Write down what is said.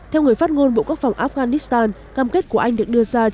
theo người phát ngôn bộ quốc phòng afghanistan cam kết của anh được đưa ra trong tháng năm tháng sáu